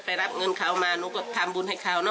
รับเงินเขามาหนูก็ทำบุญให้เขาเนอ